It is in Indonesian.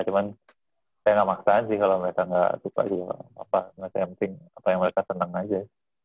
cuman saya gak maksaan sih kalo mereka gak suka juga apa nge tamping apa yang mereka senang aja